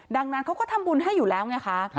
ดังนั้นเขาก็ทำบุญให้อยู่แล้วไงคะ